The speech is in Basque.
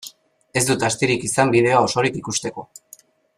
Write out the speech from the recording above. Ez dut astirik izan bideoa osorik ikusteko.